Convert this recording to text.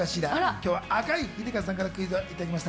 今日は赤井英和さんからクイズをいただきました。